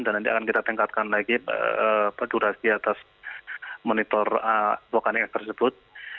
dan nanti akan kita tingkatkan lagi durasi atas monitor vulkanik tersebut